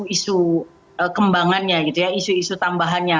isu kembangannya isu isu tambahannya